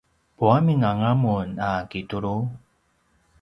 puamin anga mun a kitulu?